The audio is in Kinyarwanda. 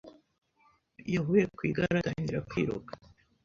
yavuye ku igare atangira kwiruka.